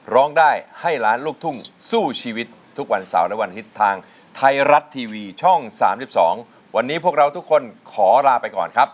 ขอลาไปก่อนครับสวัสดีครับ